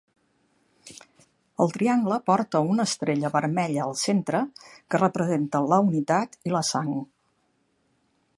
El triangle porta una estrella vermella al centre, que representa la unitat i la sang.